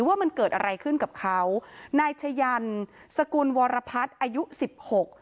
ว่ามันเกิดอะไรขึ้นกับเขานายชะยันสกุลวรพัฒน์อายุสิบหก